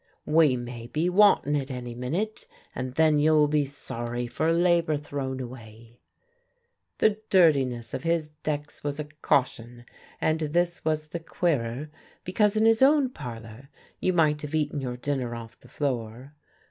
"We may be wantin' it any minute, and then you'll be sorry for labour thrown away." The dirtiness of his decks was a caution, and this was the queerer because in his own parlour you might have eaten your dinner off the floor.